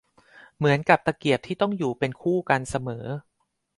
เหมือนกับตะเกียบที่ต้องอยู่เป็นคู่กันเสมอ